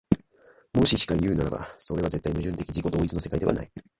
もししかいうならば、それは絶対矛盾的自己同一の世界ではない。